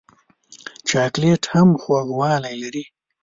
چاکلېټ هم خوږوالی لري.